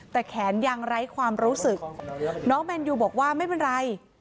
แต่แขนยังไร้ความรู้สึกน้องแมนยูบอกว่าไม่เป็นไร